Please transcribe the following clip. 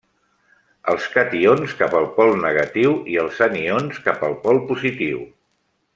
Els cations cap al pol negatiu i els anions cap al pol positiu.